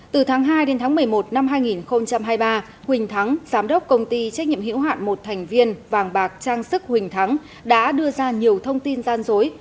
từ tháng hai đến tháng một mươi một năm hai nghìn hai mươi ba huỳnh thắng giám đốc công ty trách nhiệm hữu hạn một thành viên vàng bạc trang sức huỳnh thắng đã đưa ra nhiều thông tin gian dối